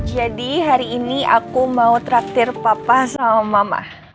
jadi hari ini aku mau traktir papa sama mama